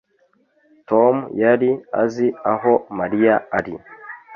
Tom yari azi aho Mariya ari